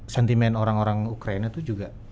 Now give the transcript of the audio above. sentimen orang orang ukraina itu juga